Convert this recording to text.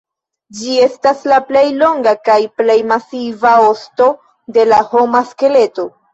Ĝi estas la plej longa kaj plej masiva osto de la homa skeleto.